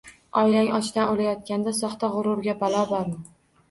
Oilang ochdan o`layotganda, soxta g`ururga balo bormi